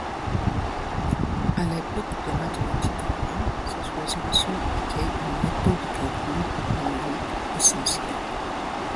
À l’époque des mathématiques arabes, cette résolution était une méthode de calcul numérique essentielle.